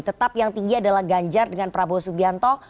tetap yang tinggi adalah ganjar dengan prabowo subianto